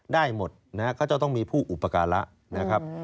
ได้หมดนะฮะก็จะต้องมีผู้อุปการะนะครับ